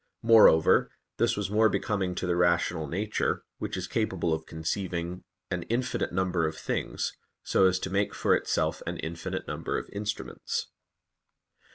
Moreover this was more becoming to the rational nature, which is capable of conceiving an infinite number of things, so as to make for itself an infinite number of instruments.